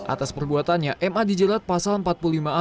atas perbuatannya ma dijerat pasal empat puluh lima a